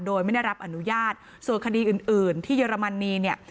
โดยไม่ได้รับอนุญาตส่วนคดีอื่นอื่นที่เยอรมนีเนี่ย